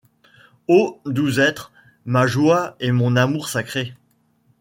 Ô doux êtres ! ma joie et mon amour sacré !